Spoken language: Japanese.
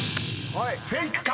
フェイクか？］